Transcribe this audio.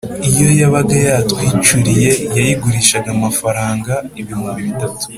iyo yabaga yatwicuriye yayigurishaga amafaranga ibihumbi bitatu.